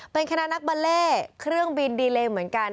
เป็นคณะนักบาเล่เครื่องบินดีเลเหมือนกัน